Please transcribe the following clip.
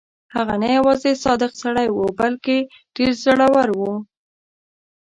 هغه نه یوازې صادق سړی وو بلکې ډېر زړه ور وو.